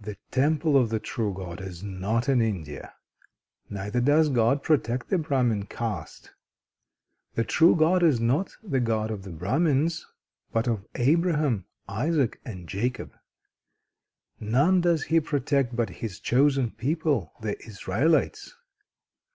the temple of the true God is not in India. Neither does God protect the Brahmin caste. The true God is not the God of the Brahmins, but of Abraham, Isaac, and Jacob. None does He protect but His chosen people, the Israelites.